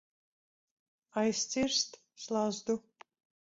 Aizcirst slazdu.